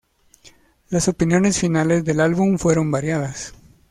Las opiniones finales del álbum fueron variadas.